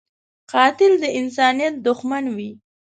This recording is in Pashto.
قاتل د انسانیت دښمن وي